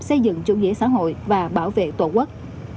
xây dựng chủ nghĩa xã hội và bảo vệ tổ quốc